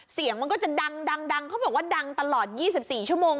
เสียงมันก็จะดังเขาบอกว่าดังตลอด๒๔ชั่วโมง